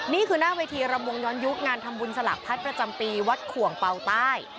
นี่คือหน้าเวทีรำวงย้อนยุคงานทำบุญสลักพัดประจำปีวัดขวงเป่าใต้